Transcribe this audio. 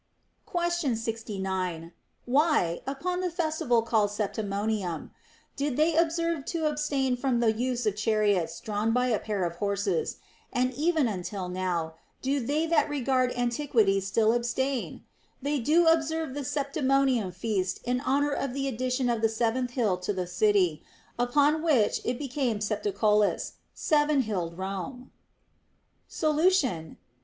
Question 69. Why, upon the festival called Septimon tium, did they observe to abstain from the use of chariots drawn by a pair of horses ; and even until now, do they that regard antiquity still abstain X They do observe the Septimontium feast in honor of the addition of the seventh hill to the city, upon which it became Septicollis, seven hilled Rome. THE ROMAN QUESTIONS. 241 Solution.